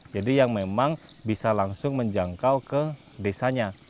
jadi yang memang bisa langsung menjangkau ke desanya